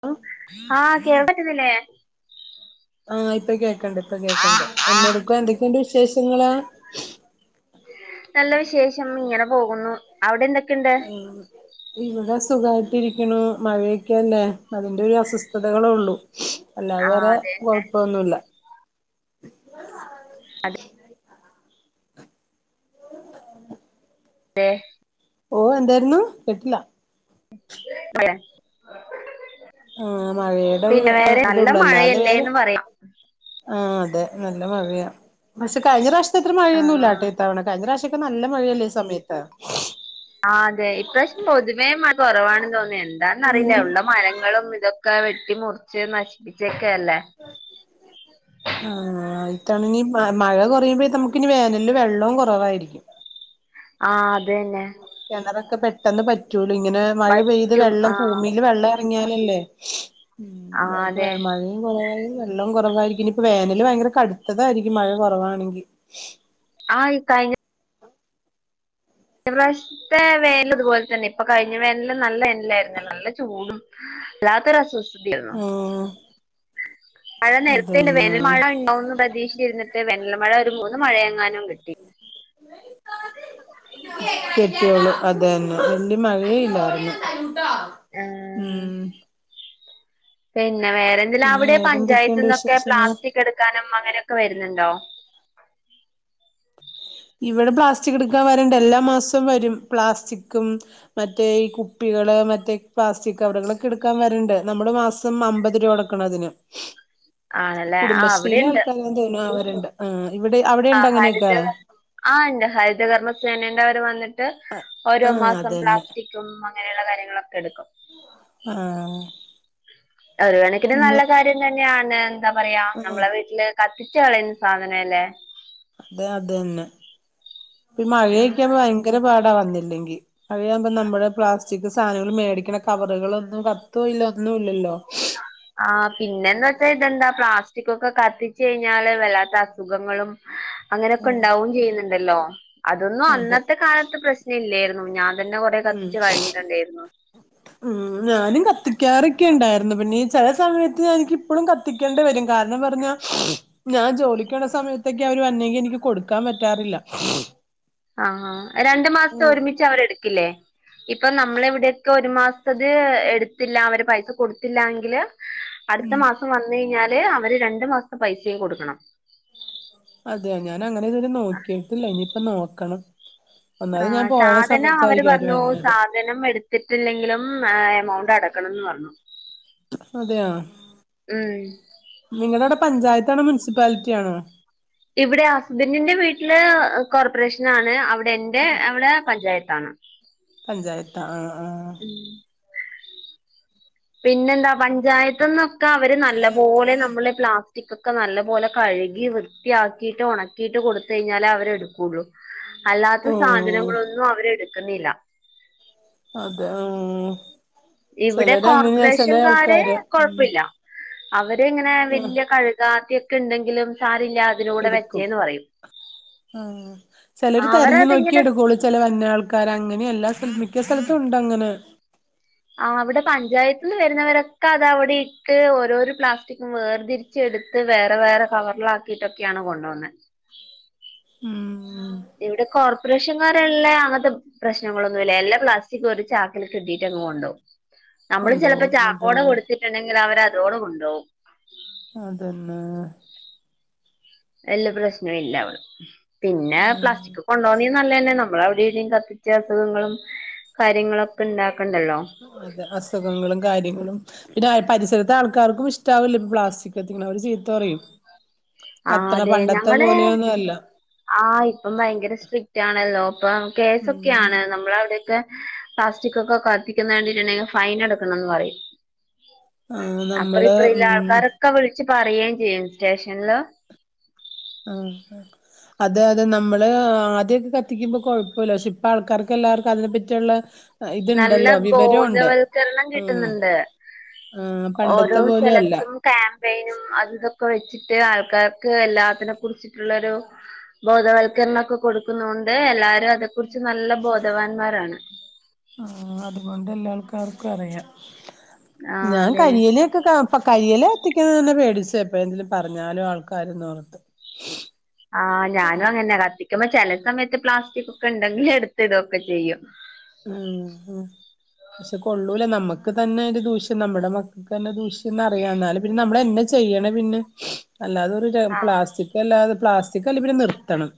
ആ ആ കേൾക്കാൻ പറ്റുന്നില്ലേ? ആ ഇപ്പൊ കേക്കണ്ട്, ‌ ഇപ്പൊ കേക്കണ്ട്. എന്നാ എടുക്കാ. എന്തൊക്കെയുണ്ട് വിശേഷങ്ങള്? നല്ല വിശേഷം ഇങ്ങനെ പോകുന്നൂ അവിടെ എന്തൊക്കിണ്ട് ഇവിടെ സുഖായിട്ടിരിക്കണൂ. മഴയൊക്കെല്ലേ, അതിന്റെ ഒരു അസ്വസ്ഥതകള് ഉള്ളൂ. അല്ലാതെ ആഹ് വേറെ അതെന്നെ കുഴപ്പമൊന്നുമില്ലാ [unintelligible] ഓ എന്തായ്രുന്നൂ കേട്ടില്ലാ. [unintelligible] ആ മഴയുടെ ഒരു പിന്നെ വേറെ നല്ല ഇതുള്ളൂ അല്ലാതെ വേ മഴയല്ലേന്ന് പറയാം ആഹ് അതെ നല്ല മഴയാ പക്ഷെ കഴിഞ്ഞ പ്രാവശ്യത്തെ അത്ര ആഹ് മഴയൊന്നുമില്ലാട്ടെ ഇത്തവണ. കഴിഞ്ഞ പ്രാവശ്യൊക്കെ നല്ല മഴയല്ലേ ഈ സമയത്ത്. ആ അതെ ഇപ്രാവശ്യം പൊതുവേ മഴ കൊറവാണ് തോന്നുന്നു. എന്താന്ന് അറിയില്ലാ ഉള്ള മരങ്ങളും ഇതൊ ക്കെ വെട്ടി മുറിച്ച് നശിപ്പിച്ചേക്കല്ലേ ആ ഇതാണെങ്കി മഴ കുറയുമ്പ നമുക്കിനി വേനലില് വെള്ളോം കുറവായിരിക്കും. ആ അതന്നെ. കിണറൊക്കെ പെട്ടെന്ന് പറ്റൂലേ ഇങ്ങനെ മഴ പെയ്ത് വറ്റും വെള്ളം ആഹ് ഭൂമീല് വെള്ളം ങ്യാലല്ലേ. ആഹ് നമുക്ക് അതെ മഴയും കുറവായി വെള്ളം കുറവായിരിക്കിനി. ഇപ്പൊ വേനല് ഭയങ്കര കടുത്തതായിരിക്കും മഴ കൊറവാണെങ്കി. [unintelligible] കഴിഞ്ഞ ഇപ്രാവശ്യത്തെ വേനല് ഇതുപോലെ തന്നെ. ഇപ്പൊ കഴിഞ്ഞ വേനല് നല്ല വേനലായിരുന്നല്ലോ. നല്ല ചൂടും. ഉം [unintelligible] [unintelligible] മഴ നേരത്തല്ല അതന്നെ വേന മഴ ഉണ്ടാവുന്ന് പ്രതീക്ഷിച്ചിരുന്നിട്ട് വേനൽമഴ ഒരു മൂന്ന് മഴയെങ്ങാനും കിട്ടി. [inaudible] കെട്ട്യോൾ അതെന്നെ വല്ല്യ മഴയെ ഇല്ലായിരുന്നു. ആ പിന്നെ വേറെ.. ല പിന്നെ അവിടെ വേറെന്തൊക്കെയുണ്ട് പഞ്ചായത്ത്ന്നൊക്കെ വിശേഷങ്ങള് പ്ലാസ്റ്റിക് എടുക്കാനും അങ്ങനൊക്കെ വരുന്നുണ്ടോ? ഇവിടെ പ്ലാസ്റ്റിക് എടുക്കാൻ വരണ്ട് എല്ലാ മാസവും വരും പ്ലാസ്റ്റിക്കും മറ്റേ ഈ കുപ്പികള് മറ്റേ പ്ലാസ്റ്റിക് കവർകളൊക്കെ എടുക്കാൻ വരണ്ട് നമ്മള് മാസ്.. മ അമ്പത് രൂപ അടക്കണം ഇതിന് ഉ കുടുംബശ്രീയിലെ ആൾക്കാര തോന്നുന്നു. അവരുണ്ട് ആ ഇവിടെ അവിടെ ഉണ്ട് അങ്ങനെ. ആണ്ട്. ഹരിതകർമ്മ സേനന്റെ അവര് വന്നിട്ട് ഓരോ ആ മാസം അതന്നെ പ്ലാസ്റ്റിക്.. തും അങ്ങനെയുള്ള കാര്യങ്ങളൊക്കെ എടുക്കും. ആഹ് ഒരു കണക്കിന് നല്ല കാര്യം തന്നെയാണ് എന്താ പറയാ ആ നമ്മളെ വീട്ടില് കത്തിച്ചളയുന്നസാധനല്ലേ. അതെ അതന്നെ ഇപോ ഈ മഴൊകവുമ്പോ ഭയങ്കരപാടാ വന്നില്ലെങ്കി അതിയാവുമ്പോ നമ്മുടെ പ്ലാസ്റ്റിക് സാധനങ്ങൾ മേടിക്കണ കവറുകളൊന്നും കത്തോ ഇല്ല ഒന്നും ഇല്ലല്ലോ. [unintelligible] ആ പിന്നെന്നാ വെച്ചാൽ ഇതെന്താ പ്ലാസ്റ്റിക് ഒക്കെ കത്തിച്ചഴിഞ്ഞാല് വല്ലാത്ത അസുഖങ്ങളും [inaudible] അങ്ങനെയൊക്കെണ്ടാവും ചെയ്യുന്നുണ്ടല്ലോ. അതൊന്നും ആ അതെ അന്നത്തെ കാലത്ത് പ്രശ്നല്ലേര്ന്നു. ഞാൻ.. അതന്നെ കൊറെ ഉം കത്തിച്ച് കളഞ്ഞിട്ടുണ്ടേര്ന്നു. ഉം ഞാനും കത്തിക്കാറൊക്കെ ണ്ടായിരുന്നു പിന്നെ ഈ ചില സമയത്ത് ഞാ എനിക്കിപ്പോഴും ക ത്തിക്കേണ്ടി വരും കാരണം പറഞ്ഞ ഞാൻ ജോലികോണേ സമയത്തൊക്കെ അവര് വരണ ങ്കിൽ എനിക്ക് കൊടുക്കാൻ പറ്റാറില്ല. ആഹ് രണ്ടു മാസത്തെ ഉം ഒരുമിച്ച് അവര് എടുക്കില്ലേ. ഇപ്പൊ നമ്മള ഇവിടെയൊക്കെ ഒരു മാസ്‌ത്തത് എടുത്തില്ല. അവര് പൈസ കൊടുത്തില്ല എങ്കില്.. അടുത്ത മാസം വന്നഴിഞ്ഞാല് അവര് രണ്ടു മാസത്തെ പൈസയും കൊടുക്കണം. അതെ.. ഞാൻ അങ്ങനെ ഇതു വരെ നോക്കിയിട്ടില്ല. ഇനിയിപ്പ നോക്കണം. ആ ഒന്നാമത് ഞാൻ പോയണ സാധനം അവര് സമയത്തായിരിക്കും പറഞ്ഞു. വന്നത് സാ സാധനം എടുത്തിട്ടില്ലെങ്കിലും എമൗണ്ട് അടക്കണംന്ന് പറഞ്ഞു. അതെയൊ ഉം നിങ്ങളവിടെ പഞ്ചായത്താണോ മുൻസിപ്പാലിറ്റി ആണോ ഇവിടെ ഹസ്ബൻറിന്റെ വീട്ടില് കോർപ്പറേഷനാണ്. അവിടെ എന്റെ അവിടെ പഞ്ചായത്താണ്. പഞ്ചായത്ത് ആ ആ ഉം പിന്നെന്താ.. പഞ്ചായത്ത്ന്നൊക്കെ അവര് നല്ല പോലെ നമ്മള്പ്ലാസ്.. റ്റിക്കൊക്കെ നല്ല പോലെ കഴുകി വൃത്തിയാക്കിയിട്ട് ഉണക്കിയിട്ട് കൊടുത്തഴിഞ്ഞാലേ അവരെ എടുക്കുള്ളൂ. അല്ലാത്ത ഓ സാധനങ്ങളൊന്നും അവരെടുക്കുന്നില്ല. അതെ ഉം ഇവിടെ കോർപ്പറേഷൻകാര് ആൾക്കാര് ഉം കൊഴപ്പല്ല അവരിങ്ങനെ ആ വല്യ കഴുകാത്ത ഒക്കെ ഉണ്ടെങ്കിലും സാര്യല്ലാ എടുക്കും ആ ചിലർ തെരഞ്ഞു നോക്കിയേ അവരതിങ്ങനെ എടുക്കള്ളൂ ചില വന് ആൾക്കാർ അങ്ങനെ എല്ലാ സ്ല മിക്ക സ്ഥലത്തും ണ്ട് അങ്ങനെ. ആ അവിടെ പഞ്ചായത്തിൽ വരുന്നവരൊക്കെ അത അവിടെട്ട് ഓരോരു പ്ലാസ്റ്റിക്.. ക്കും വേർതിരിച്ച എടുത്ത് വേറെ വേറെ കവറിലാക്കിട്ടൊക്കെയാണ് കൊണ്ടൊണ്. ഉം ഇവിടെ കോർപ്പറേഷൻകാരല്ലേ അങ്ങനത്തെ. പ്രശ്നങ്ങളൊന്നുമല്ല എല്ലാ പ്ലാസ്റ്റിക് ഒരു ച ആാക്കൽ കിട്ടിട്ട് അങ് കൊണ്ടോ. നമ്മള് ചിലപ്പോ കൊണ്ടോവും അതെ ചാക്കോടെ കൊടുത്തിട്ടുണ്ടെങ്കിൽ അവര് അതോടെ കൊണ്ട്പോകും. അതന്നെ. വല്ല പ്രശ്നവും ഇല്ല അവള് പിന്നെ പ്ലാസ്റ്റിക് കൊണ്ടോന്നിയ നല്ലതന്നെ നമ്മൾ അവിടെടെയും കത്തി ത് അസുഖങ്ങളും കാര്യങ്ങളൊക്കെ ഉണ്ടാക്കണ്ടല്ലോ. അതെ അസുഖങ്ങളും കാര്യങ്ങളും. പിന്നെ പരിസരത്ത് ആൾക്കാർക്കും ഇഷ്ടവില്ല പ്ലാസ്റ്റിക് കത്തിക്കുന്നത് അവര് ചീത്തപറയും ആ അതെ ഞങ്ങള്. പോലെയൊന്നും അല്ല ആ ഇപ്പം ഭയങ്കര സ്ട്രിക്റ്റ് ആണല്ലോ അപ്പൊ കേസൊക്കെ ഉം ആണ് നമ്മൾ അവിടെയൊക്കെ പ്ലാസ്റ്റിക് ഒക്കെ കത്തിക്കുന്ന കണ്ടിട്ടുണ്ടെങ്കിൽ ഫൈൻ എടുക്കണം എന്ന് പറയും ആഹ് അപ്പറ നമ്മള് ഇപ്പറ ഇല്ല ഉം ആൾക്കാരൊക്കെ വിളിച്ച് പറയുകയും ചെയ്യും സ്റ്റേഷനില്. ആഹ. അത് അതെ നമ്മള് ആദ്യൊക്കെ കത്തിക്കുമ്പോ കൊഴപ്പില്ല പക്ഷെ ഇപ്പ ആൾക്കാർക്ക് എല്ലാവർക്കും അതിനെ പറ്റിയുള്ള നല്ല ഇതുണ്ടല്ലോ വിവരൊണ്ട് ബോധവൽക്കരണം ആഹ് കിട്ടുന്നുണ്ട് ആഹ് പണ്ടത്തെ ഓരോ പോലെയല്ല സ്ഥലത്തും ക്യാമ്പയിനും അത് ഇതൊക്കെ വെച്ചിട്ട് ആൾക്കാർക്ക് എല്ലാത്തിനെ കുറിച്ചിട്ടുള്ളൊരു. ബോധവൽക്കരണംൊക്കെ കൊടുക്കുന്ന കൊണ്ട് എല്ലാരും അതെക്കുറിച്ച് നല്ല ബോധവാന്മാരാണ്. ആഹ് അതുകൊണ്ട് എല്ലാ ആൾക്കാർക്കും അറിയാം ആഹ് ഞാൻ അതെ കരിയ്യിലൊക്കെ അപ്പൊ കരിയല എത്തിക്കുന്നത് തന്നെ പേടിച്ച എപ്പ എന്തേലും പറഞ്ഞാലോ ആൾക്കാരെ ന്ന് ഓർത്ത്. ആഹ ഞാനും അങ്ങനെ കത്തി എന്നാ ചില സമയത്ത് പ്ലാസ്റ്റിക് ഒക്കെ ഉണ്ടെങ്കിൽ എടുത്ത് ഇടുവൊ ക്കെചെയ്യും. ആം പക്ഷെ കൊള്ളൂല നമ്മുക്ക് തന്നെ ഒരു ദൂഷ്യം നമ്മുടെ മക്കൾക്ക് തന്നെ ദൂഷ്യം [unintelligible] എന്നാലുംനമ്മൾ എന്നചെയ്യണ പിന്നെ അല്ലാത ഒരു ആഹ് പ്ലാസ്റ്റിക് അല്ലാതെ പ്ലാസ്റ്റിക് അല്ലപ നിർത്തണം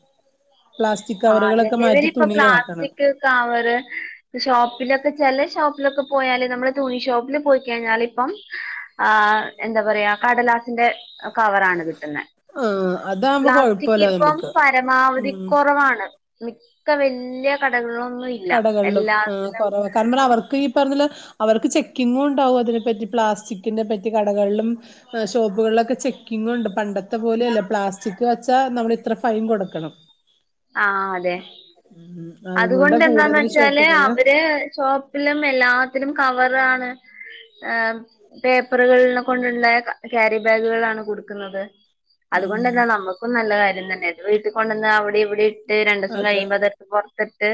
പ്ലാസ്റ്റിക് കവറുകളൊക്കെ മാറ്റി തുണിയാക്കണം കാ വറ്ഷോപ്പിലൊക്കെ ചെ ലെഷോപ്പില് ൊക്കെ പോയാല് നമ്മള് തുണി ഷോപ്പിൽ പോയി കഴിഞ്ഞാൽ ഇപ്പം ആ് എന്താ പറയാ കടലാസിന്റെ. കവറാണ് കിട്ടുന്നത് ആഹ് അതാകുമ്പോ പ്ലാസ്റ്റിക് കൊഴപ്പല്ല ഇപ്പം നമുക്ക് പരമാവധി ഉം [unintelligible] മിക്ക വല്യയ കടകളിലൊന്നും ഇല്ല കടകളിലും ആ് എല്ലാത്തിലും കുറവ കാരണം അവർക്ക് ഈ പറഞ്ഞ. അവർക്ക് ചെക്കിങ്ങും ഉണ്ടാവും അതിനെപ്പറ്റി പ്ലാസ്റ്റിക്കിന്റെ പറ്റി കടകളിലും. ഷോപ്പുകളിലൊക്കെ ചെക്കിങ്ങ് ഉണ്ട് പണ്ടത്തെ പോലെയല്ല പ്ലാസ്റ്റിക്ക് വെച്ചാൽ നമ്മള ഇത്ര ഫൈൻ കൊടുക്കണം ആന് അതെ ഉ അതണ്ട. അതുകൊണ്ട് എന്താന്ന് വെച്ചാല് അവര് ഷോപ്പിലും എല്ലാത്തിനും കവറാണ്. പേപ്പറുകളെ കൊണ്ടണ്ടായ ക്രി ബാഗുകളാണ് കൊടുക്കുന്നത്. അതുകൊണ്ട് ആഹ് ന്താ നമ്മുക്കും നല്ല കാര്യം തന്നെ അത് വീട്ടിൽ കൊണ്ടന്ന് അവിടെ ഇവിടെ ഇട്ട് രണ്ട്ദിവസം അതെ കഴിയുമ്പോ അത് പുറത്തിട്ട്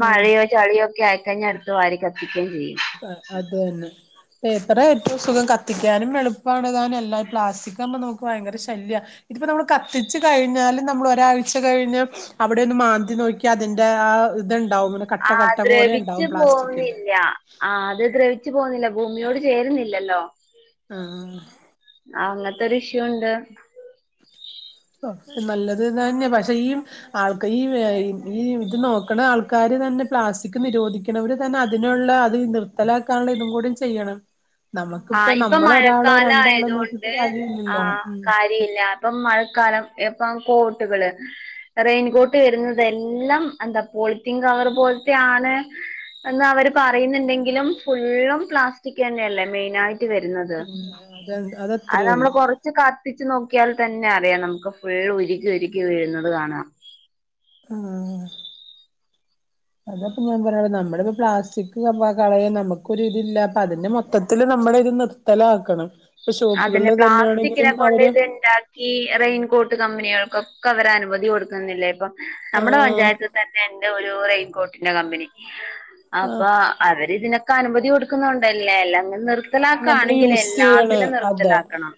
ആഹ് മഴയോ ചളിയോ ഒക്കെ ആയിക്ക കഴിഞ്ഞ അടുത്ത് വാരി കത്തിക്കുകയും ചെയ്യും. അത് തന്നെ. പേപ്പറാ ഏറ്റവും സുഖം കത്തിക്കാനും എളുപ്പമാണ് താനും അല്ല പ്ലാസ്റ്റിക് ആകുമ്പോഭയങ്കര ശല്യ ഇതിപ്പൊ നമ്മള് കത്തിച്ചു കഴിഞ്ഞാലും നമ്മള ഒരാഴ്ച കഴിഞ്ഞ് അവിടെ ഒന്ന് മാന്തി നോക്കി അതിന്റെ ആ ഇത്ണ്ടാവുംന. ആ ദ്രവിച്ചു പോകുന്നില്ല. ആഹ് അത് ദ്രവിച്ചു പോകുന്നില്ല ഭൂമിയോട് ചേരുന്നില്ലല്ലോ ആഹ. ആ അങ്ങനത്തെ ഒരു ഇഷ്യൂണ്ട്. നല്ലത് തന്നെ പക്ഷെ ഈ ആൾക്കാ ഈ ഈ ഇത് നോക്കണ ആൾക്കാര് തന്നെ പ്ലാസ്റ്റിക് നിരോധിക്ക അവർ തന്നെ അതിനുള്ള അത് നിർത്തലാക്കാനുള്ള ഇതും കൂടിചെയ്യണം. ആ ഹ്ഇപ്പൊ മഴക്കാല രണ്ടാളോ നോക്കിട്ട് ആയതൊണ്ട് ആ കാര്യമില്ലല്ലോ ഉം കാ യില്ല അപ്പൊ മഴക്കാലം എപ്പം കോട്ടുകള് റെയിൻകോട്ട് വരുന്നത് എല്ലാം എന്താ പോളിറ്റീൻ കവർ പോലത്തെയാണ് എന്ന് അവര് പറയുന്നുണ്ടെങ്കിലും ഫുള്ളും പ്ലാസ്റ്റിക് തന്നെയല്ലേ മെയിനാ യിട്ട് റ്റ് വരുന്നത് അത് അതത്രേ അത് നമ്മള് ഉള്ളൂ കോർ ച്ച് കത്തിച്ച് നോക്കിയാൽ തന്നെ അറിയാം നമുക്ക് ഫുൾ ഉരുക്കി ഉരുക്കി വീഴുന്നത് കാണാം ആഹ് അതപ്പ ഞാൻ പറയണ നമ്മളിപ്പോ പ്ലാസ്റ്റിക് കളയ നമുക്കൊ ര് ഇതില്ല അപ്പ അതിന്റെ മൊത്തത്തില് നമ്മുടെ ഇത് നി ർത്താലക്കണം അതന്നെ പ്ലാസ്റ്റിക്കിനെ കൊണ്ട് ഇത് ണ്ടാ ഈ റെയിൻകോട്ട് കമ്പനികൾക്കൊക്കെ അവര് അനുമതി കൊടുക്കുന്നില്ലേ ഇപ്പം നമ്മുടെ ആഹ് പഞ്ചായത്ത് തന്നെ എന്റെ ഒരു റെയിൻകോട്ടിന്റെ കമ്പനി ആഹ് അപ്പൊ അവരി ഇതിന പ്പ അനുമതി കൊടുക്കുന്നണ്ടല്ലേ അല്ല അങ്ങനെ നി നമ്മളീയൂസ് ചെയ്യണഅതെ നിർത്തലാക്കണം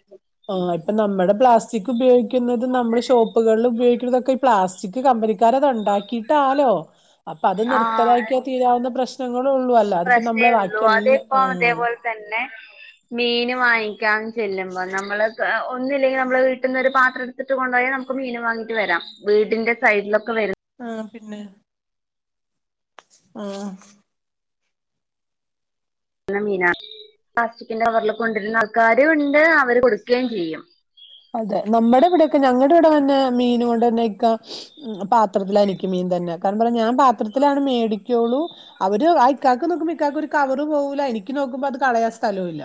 ഓ ഇപ്പൊ നമ്മുടെ പ്ലാസ്റ്റിക് ഉപയോഗിക്കുന്നത് നമ്മുടെ ഷോപ്പുകളിൽ ഉപയോഗിക്കുന്ന തൊക്കെ ഈ പ്ലാസ്റ്റിക് കമ്പനി എന്നരം ഉണ്ടാക്കിട്ടാലോ അപ്പൊ അത് ആ നിർത്തലാക്കിയാ തീരാവുന്ന പ്രശ്ന ഞങ്ങളെ ഉള്ളൂ അല്ല അതിപ്പോ പ്രശ്നേ നമ്മളെ ഉള്ളൂ ബാക്കി എല്ലാം അതിപ്പോ ആഹ് അതേപോലെ തന്നെ മീൻ വാങ്ങിക്കാം ചെല്ലുമ്പോ നമ്മള് ഒന്നില്ലെങ്കിലും നമ്മള വീട്ടീന്നൊരു പാത്രം എടുത്തിട്ട് കൊണ്ടോ യാൽ നമുക്ക് മീൻ വാങ്ങിട്ട് വരാം വീടിന്റെ സൈഡിലൊക്കെ വര ആഹ് പിന്നെ ആഹ് നല്ലമീന പ്ലാസ്റ്റിക്കിന്റെ കവറിൽ കൊണ്ടിരുന്ന ആൾക്കാരുംഉണ്ട് അവര് കൊടുക്കയും ചെയ്യും അതെ നമ്മുടെ ഇവിടെയൊക്കെ ഞങ്ങളുടെ ഇവിടെ തന്നെ മീന കൊണ്ട് തന്നെ ഇക്ക പാത്രത്തിലഎനിക്ക് മീൻ തന്നെ കാരണം ഞാൻ പാത്രത്തിലാണ് മേടിക്കുള്ളൂ അവര് ആ ഇക്കാക്ക് നോക്കുമ്പോ ഇക്കക്ക് ഒരു കവറ് പോവൂല എനിക്ക് നോക്കുമ്പോ അത് കളയാൻ സ്ഥലവും ഇല്ല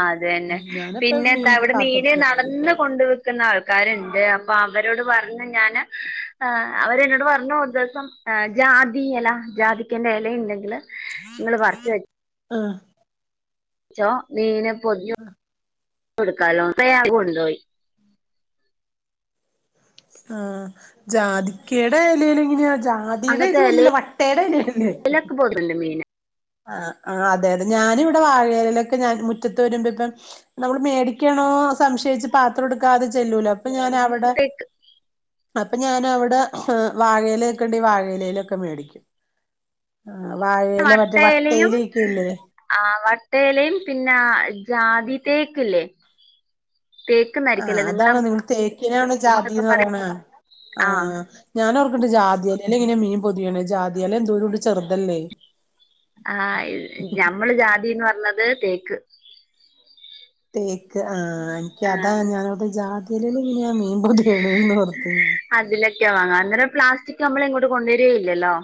അത് തന്നെ ഞാനപ്പ പിന്നെ എന്താ മീൻ അവിടെ മീന് പാത്രത്തിലാ നടന്ന് മേടിക്കുള്ളൂ കൊണ്ട് വി ക്കു ന്ന ആൾക്കാരുണ്ട് അപ്പൊ അവരോട് പറഞ്ഞു ഞാന് അവരെന്നോട് പറഞ്ഞു ഒരു ദിവസം ആ ജാതി ഇല ജാതിക്കന്റെ ഇല ഇണ്ടെങ്കില് നിങ്ങള് പറച്ച് വെച്ച ആഹ് ച്ചോ മീനെ പൊതി കൊടുക്കാലോ [unintelligible] കൊണ്ടോയി ആ ജാതിക്കയുടെ ഇലേൽ എങ്ങനെയാ ജാതി ദിയുടെ ഇലയല്ലല്ലേ വട്ടയുടെ ഇല്ല അല്ലേ പോകല്ല മീന് ആഹ് ആഹ് അതെ അതെ ഞാനി ഇവിടെ വാഴയിലയിലൊക്കെ ഞാൻ മുറ്റത്ത് വരുമ്പോ ഇപ്പം നമ്മൾ മേടിക്കണോ സംശയിച്ചു പാത്രം എടുക്കാതെ ചെല്ലൂലോ അപ്പൊ ഞാൻ അവിടെ അപ്പൊ ഞാൻ അവിടെ വാഴ ഇല ഒക്കെ ഇണ്ടേൽ വാഴയിലൊക്കെ മേടിക്കും ആ വാഴയില മറ്റേ വ എലവ് ആ വട്ടയിലയും പിന്നെ ജാതി തേക്ക് ഇല്ലേ തേക്ക് ആഹ് അതാണോ നിങ്ങൾ തേക്കിനാണോ അങ്ങോട്ടൊക്കെ ജാതിന്ന് പറ പറയണേ ആ ആഹ് ഞാൻഓർക്കണ്ട് ജാതിയില ഇല് ഇങ്ങനെ മീൻ പൊതിയണെന്ന് ജാതിയയില എന്തോരോണ്ട് ചെറുതല്ലേ ആ ഞമ്മള് ജാതിന്ന് പറഞ്ഞത് തേക്ക് തേക്ക് ആ എനിക്ക് അതാ ആഹ് ഞാനവിടെ ജാതി ഇലല് എങ്ങനെയാ മീൻ പൊതിയണേന്ന് ഓ ർത്ത് ഞാൻ അതിലൊക്കെ വാങ്ങാം അന്നേരം പ്ലാസ്റ്റിക് നമ്മള് ഇങ്ങോട്ട് കൊണ്ടുവരികേയില്ലല്ലോ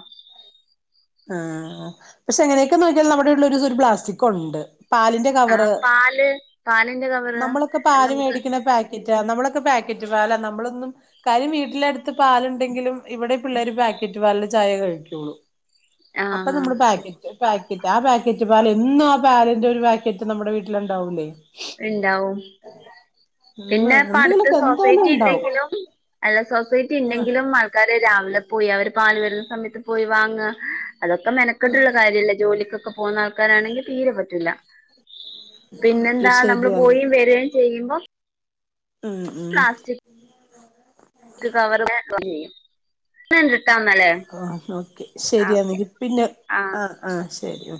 ആഹ് പക്ഷെ എങ്ങനെയൊക്കെ നോക്കിയാലും നമ്മുടെ വീട്ടില് ഒരു പ്ലാസ്റ്റിക് ഉണ്ട് പാലിന്റെ ആഹ് കവറ് പാല് പാലിന്റെ കവറ് നമ്മളൊക്കെ അത് പാല് നമുക്ക് മേടിക്കണ പാക് [unintelligible] നമ്മളൊക്കെ പാക്കറ്റ് പാലാ നമ്മളൊന്നും കാര്യം വീട്ടിലടുത്ത് പാലുണ്ടെങ്കിലും ഇവിടെ പിള്ളേര് പാക്കറ്റ് പാലിലെ ചായ കഴിക്കുള്ളൂ അപ്പൊ ആഹ് നമ്മ പാകറ്റ് ഒരുപാക്കറ്റ് ആ പാക്കറ്റ് പാല് എന്നും ആ പാലിന്റെ ഒരു പാക്കറ്റ് നമ്മുടെ വീട്ടിലുണ്ടാവുല്ലേ ഇണ്ടാവും ഉം പിന്നെപ്പട്ത്ത് എന്തെങ്കിലുമൊക്കെ എന്തായാലും സൊസൈറ്റി ഉണ്ടാവും ഇല്ലെങ്കിലും അല്ല സൊസൈറ്റി ആ ണ്ടെങ്കിലും ആൾക്കാര് രാവിലെ പോയി അവര് പാല് വരുന്ന സമയത്ത് പോയി വാങ്ങ അതൊക്കെ മെനക്കെട്ട്ള്ള കാര്യല്ലേ ജോലിക്കൊക്കെ പോകുന്ന ആൾക്കാരാണെങ്കിൽ തീരെ പറ്റൂല പിന്നെന്താ കിഷ് നമ്മള് പോയിം വെരേം ചെയ്യുമ്പോ ഉം ഉം കവർ്യും [unintelligible] ിട്ടാന്നല്ലെ [unintelligible] ഓക്കെ ശരിയാന്നെങ്കി പിന്നെ ആഹ് ആ ആ ശരി